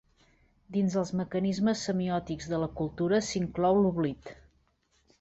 Dins els mecanismes semiòtics de la cultura s’inclou l’oblit.